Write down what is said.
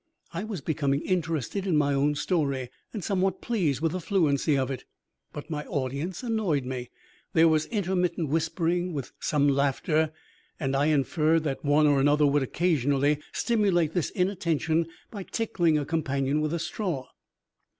I was becoming interested in my own story and somewhat pleased with the fluency of it, but my audience annoyed me. There was intermittent whispering, with some laughter, and I inferred that one or another would occasionally stimulate this inattention by tickling a companion with a straw.